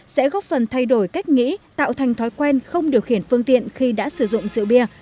sẽ góp phần thay đổi cách nghĩ tạo thành thói quen không điều khiển phương tiện khi đã sử dụng rượu bia